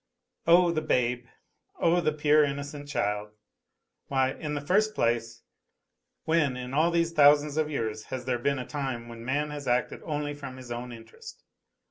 Oh, the babe 1 Oh, the pure, innocent child ! Why, in the first NOTES FROM UNDERGROUND 66 place, when in all these thousands of years has there been a time when man has acted only from his own interest